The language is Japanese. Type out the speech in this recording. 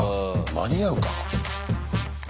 間に合うか？